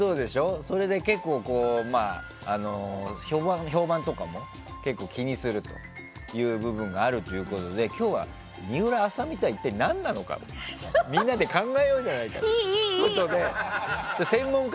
それで結構、評判とかも気にするという部分があるということで、今日は水卜麻美とは一体なんなのかみんなで考えようじゃないかということで。